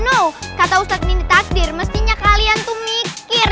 no kata ustadz ini takdir mestinya kalian tuh mikir